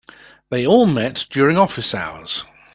They all met during office hours.